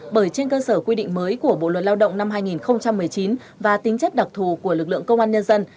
bởi trên cơ sở quy định mới của bộ luật lao động năm hai nghìn một mươi chín và tính chất đặc thù của lực lượng công an nhân dân